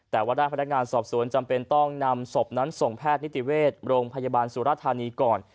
แต่ว่าด้านพนักงานสอบสวนจำเป็นต้องนำศพนั้นส่งแพทย์นิติเวชโรงพยาบาลสุรธานีก่อน